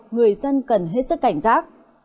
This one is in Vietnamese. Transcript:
người dân cần hết sức cảnh giác